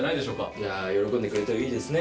いや喜んでくれるといいですね。